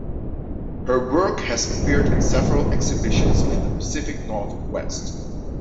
Her work has appeared in several exhibitions in the Pacific Northwest.